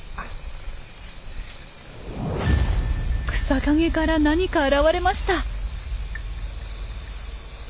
草陰から何か現れました！